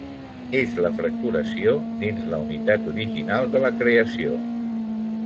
És la fracturació dins la unitat original de la creació.